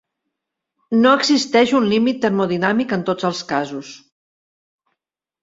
No existeix un límit termodinàmic en tots els casos.